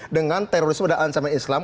dengan terorisme pada alam syarikat islam